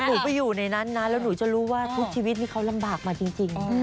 หนูไปอยู่ในนั้นนะแล้วหนูจะรู้ว่าทุกชีวิตนี่เขาลำบากมาจริง